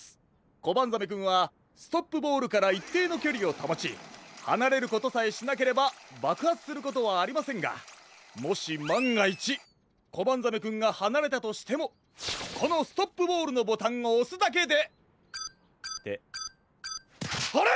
コバンザメくんはストップボールからいっていのきょりをたもちはなれることさえしなければばくはつすることはありませんがもしまんがいちコバンザメくんがはなれたとしてもこのストップボールのボタンをおすだけでってあれ？